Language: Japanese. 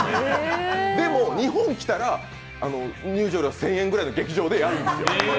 でも、日本来たら、入場料１０００円ぐらいの劇場でやるんですよ。